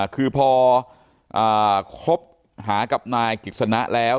คือพอคบหากับนายกิจสนะแล้ว